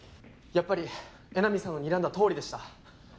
やっぱり江波さんのにらんだとおりでした。